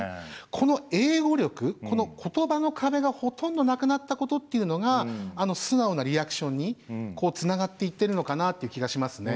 この英語力この言葉の壁がほとんどなくなったことっていうのがあの素直なリアクションにつながっていってるのかなという気がしますね。